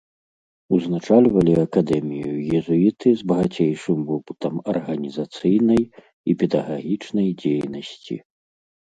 Узначальвалі акадэмію езуіты з багацейшым вопытам арганізацыйнай і педагагічнай дзейнасці.